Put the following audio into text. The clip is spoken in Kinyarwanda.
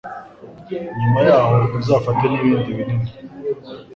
nyuma yayo uzafate nibindi nibini .